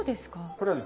これはね